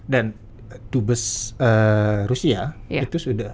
dan tubes rusia itu sudah